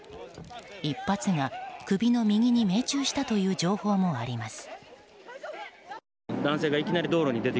１発が首の右に命中したという情報もあります。